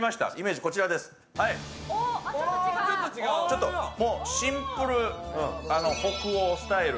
ちょっとシンプル北欧スタイル。